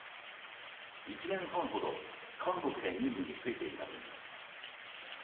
１年半ほど、韓国で任務に就いていたといいます。